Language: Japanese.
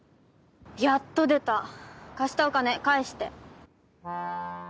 やっと出た貸したお金返して。